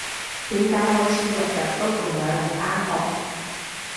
點解好似日日都仲有人返學？